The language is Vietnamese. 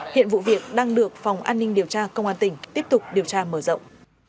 hiện vụ việc đang được phòng an ninh điều tra công an tỉnh tiếp tục điều tra mở rộng